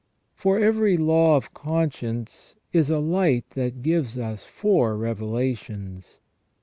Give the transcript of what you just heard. For every law of conscience is a light that gives us four revelations.